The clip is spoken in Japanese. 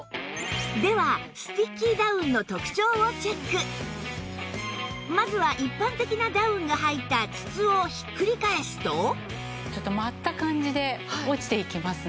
ではまずは一般的なダウンが入った筒をひっくり返すとちょっと舞った感じで落ちていきますね。